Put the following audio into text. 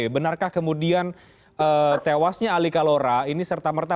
benarkah kemudian tewasnya ali kalora ini serta merta